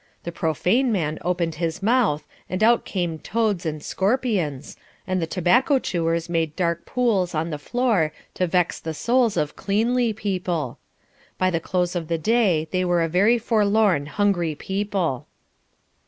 The profane man opened his mouth and out came toads and scorpions, and the tobacco chewers made dark pools on the floor to vex the souls of cleanly people. By the close of the day they were a very forlorn, hungry people.